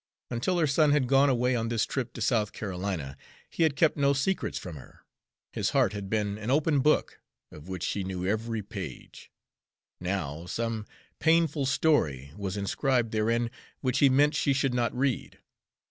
Until her son had gone away on this trip to South Carolina, he had kept no secrets from her: his heart had been an open book, of which she knew every page; now, some painful story was inscribed therein which he meant she should not read.